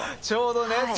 ちょうどね。